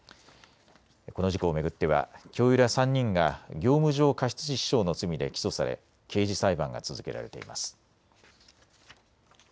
この事故を巡っては教諭ら３人が業務上過失致死傷の罪で起訴され刑事裁判が続けられています。